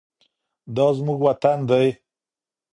دا زموږ وطن دی.